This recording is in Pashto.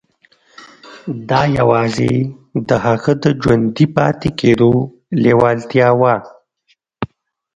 دا يوازې د هغه د ژوندي پاتې کېدو لېوالتیا وه.